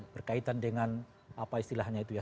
berkaitan dengan apa istilahnya itu ya